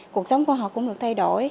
cuộc sống của họ cũng được thay đổi